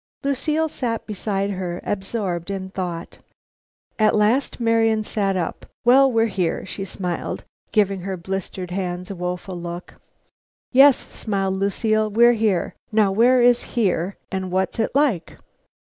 Lucile sat beside her absorbed in thought. At last Marian sat up. "Well, we're here," she smiled, giving her blistered hands a woeful look. "Yes," smiled Lucile, "we're here. Now where is 'here' and what's it like?"